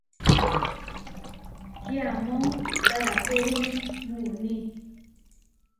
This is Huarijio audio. Kiamó tarakérune muuní.